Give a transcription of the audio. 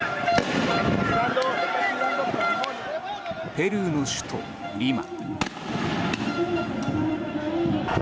ペルーの首都リマ。